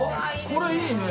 これいいね！